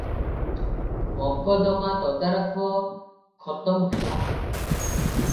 ମକଦ୍ଦମା ତଦାରଖ ଖତମ ହେଲା ।